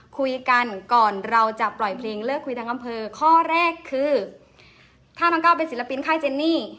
คุยกันก่อนเราจะปล่อยเพลงเลิกคุยทั้งอำเภอข้อแรกคือถ้าน้องก้าวเป็นศิลปินค่ายเจนนี่